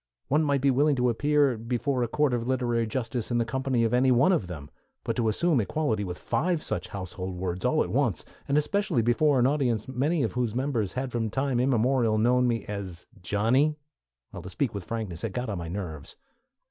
One might be willing to appear before a Court of Literary Justice in the company of any one of them, but to assume equality with five such household words all at once, and especially before an audience many of whose members had from time immemorial known me as "Johnny" well, to speak with frankness, it got on my nerves.